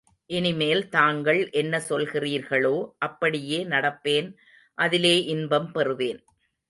இனிமேல் தாங்கள் என்ன சொல்கிறீர்களோ அப்படியே நடப்பேன் அதிலே இன்பம் பெறுவேன்.